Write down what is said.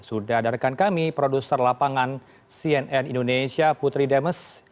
sudah adakan kami produser lapangan cnn indonesia putri demes